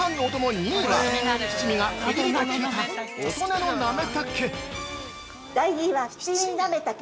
２位は七味がピリリと効いた大人のなめたけ。